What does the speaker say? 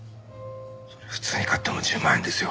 普通に買っても１０万円ですよ。